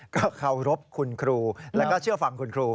ก็เคารพคุณครูแล้วก็เชื่อฟังคุณครู